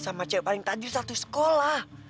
sama cewek paling takjil satu sekolah